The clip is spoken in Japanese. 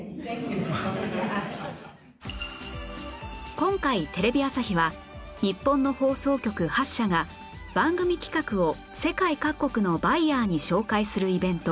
今回テレビ朝日は日本の放送局８社が番組企画を世界各国のバイヤーに紹介するイベント